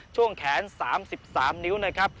ช่วงแขนสามสิบสามนิ้วนะครับ